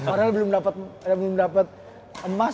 orangnya belum dapet emas